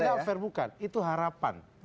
bukan itu gak fair bukan itu harapan